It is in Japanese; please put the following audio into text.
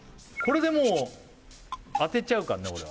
これでもう当てちゃうからね